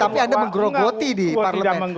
tapi anda menggerogoti di parlemen